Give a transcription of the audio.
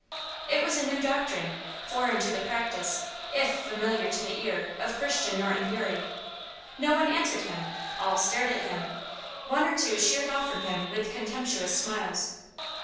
It was a new doctrine; foreign to the practice, if familiar to the ear, of Christian Norton Bury. No one answered him; all stared at him; one or two sheered off from him with contemptuous smiles.